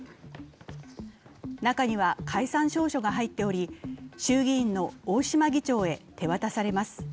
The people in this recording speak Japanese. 中には解散詔書が入っており、衆議院の大島議長へ手渡されます。